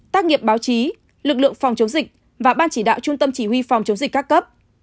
tác nghiệp báo chí lực lượng phòng chống dịch và ban chỉ đạo trung tâm chỉ huy phòng chống dịch các cấp